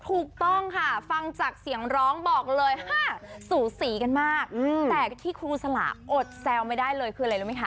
ถูกต้องค่ะฟังจากเสียงร้องบอกเลย๕สูสีกันมากแต่ที่ครูสละอดแซวไม่ได้เลยคืออะไรรู้ไหมคะ